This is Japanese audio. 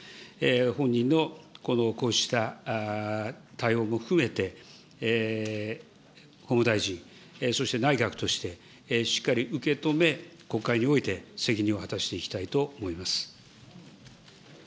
本人のこうした対応も含めて、法務大臣、そして内閣としてしっかり受け止め、国会において責任を果たしていきたいと思います。